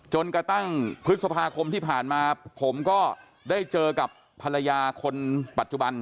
จนกระทั่งพฤษภาคมที่ผ่านมาผมก็ได้เจอกับภรรยาคนปัจจุบัน